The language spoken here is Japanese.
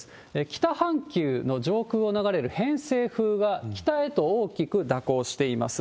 北半球の上空を流れる偏西風が、北へと大きく蛇行しています。